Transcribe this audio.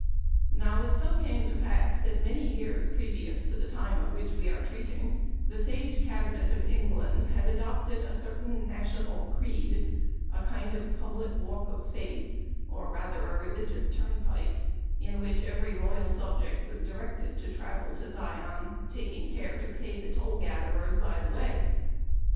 " Now it so came to pass that many years previous to the time of which we are treating the sage cabinet of England had adopted a certain national creed, a kind of public walk of faith, or rather a religious turnpike, in which every loyal subject was directed to travel to i Zion, taking care to pay the toll gatherers by the way.